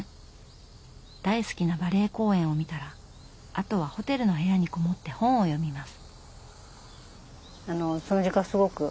大好きなバレエ公演を見たらあとはホテルの部屋にこもって本を読みます。